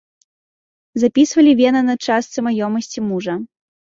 Запісвалі вена на частцы маёмасці мужа.